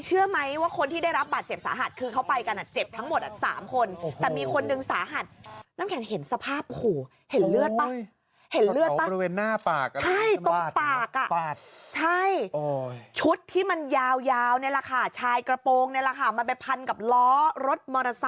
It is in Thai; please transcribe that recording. เชื่อไหมว่าคนที่ได้รับปัจจ์เห็บสาหัส